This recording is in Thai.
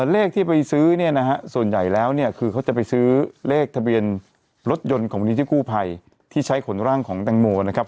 เลขที่ไปซื้อเนี่ยนะฮะส่วนใหญ่แล้วเนี่ยคือเขาจะไปซื้อเลขทะเบียนรถยนต์ของมูลนิธิกู้ภัยที่ใช้ขนร่างของแตงโมนะครับ